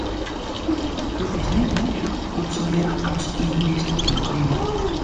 It is net noflik om sa'n berchpas yn de mist te beklimmen.